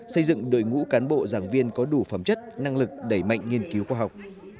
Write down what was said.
xây dựng đội ngũ cán bộ giảng viên có đủ phẩm chất năng lực đẩy mạnh nghiên cứu khoa học